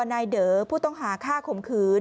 นายเด๋อผู้ต้องหาค่าคมขืน